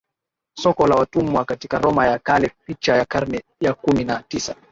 Soko la watumwa katika Roma ya Kale picha ya karne ya kumi na tisa